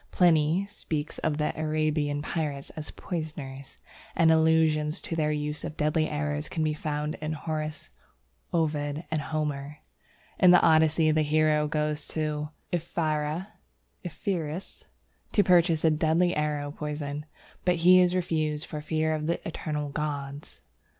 Pliny speaks of the Arabian pirates as poisoners, and allusions to their use of deadly arrows can be found in Horace, Ovid, and Homer. In the Odyssey, the hero goes to Ephyra (Epirus?) to purchase a deadly arrow poison, but he is refused for fear of the eternal gods.